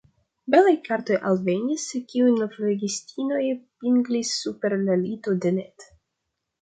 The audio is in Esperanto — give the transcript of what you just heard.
Belaj kartoj alvenis, kiujn flegistinoj pinglis super la lito de Ned.